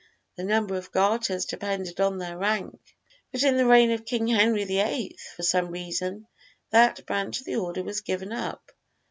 The number of garters depended on their rank. But in the reign of King Henry the Eighth, for some reason that branch of the order was given up.